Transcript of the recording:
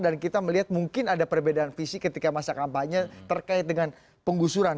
dan kita melihat mungkin ada perbedaan fisik ketika masa kampanye terkait dengan penggusuran